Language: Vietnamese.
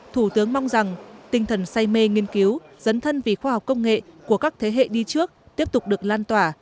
thủ tướng mong rằng tinh thần say mê nghiên cứu dấn thân vì khoa học công nghệ của các thế hệ đi trước tiếp tục được lan tỏa